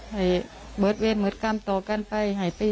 ให้เบิร์ตเวรเบิร์ตกรรมต่อกันไป